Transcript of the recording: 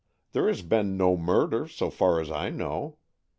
There has been no murder, so far as I know.